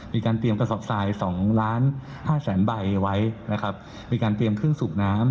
มีการเตรียมกระสอบทรายสองล้านห้าแสนใบไว้นะครับมีการเตรียมเครื่องสูบน้ำ